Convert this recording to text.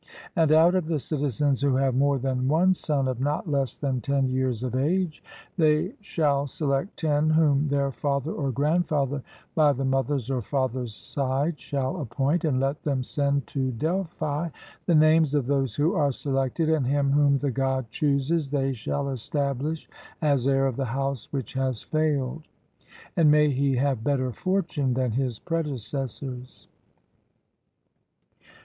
And out of the citizens who have more than one son of not less than ten years of age, they shall select ten whom their father or grandfather by the mother's or father's side shall appoint, and let them send to Delphi the names of those who are selected, and him whom the God chooses they shall establish as heir of the house which has failed; and may he have better fortune than his predecessors!